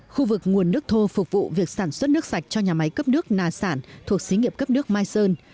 khu vực nguồn nước thô phục vụ việc sản xuất nước sạch cho nhà máy cấp nước nà sản thuộc xí nghiệp cấp nước mai sơn